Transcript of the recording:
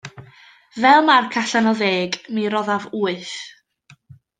Fel marc allan o ddeg mi roddaf wyth